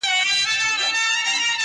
پرزولي یې شاهان او راجاګان وه!.